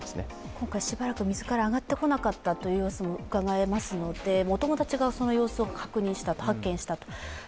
今回、しばらく水から上がってこなかった様子もうかがえますので、大人たちが違う様子を発見したと。